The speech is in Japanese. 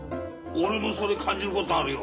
俺もそれ感じることあるよ。